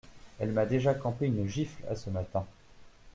Elle m’a déjà campé une gifle à ce matin.